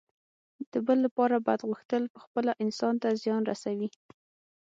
د بل لپاره بد غوښتل پخپله انسان ته زیان رسوي.